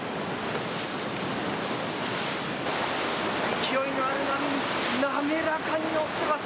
勢いのある波に滑らかに乗ってます。